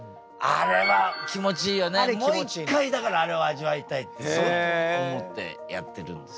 あれもう一回だからあれを味わいたいってそう思ってやってるんですよ。